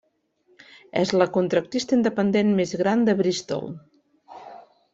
És la contractista independent més gran de Bristol.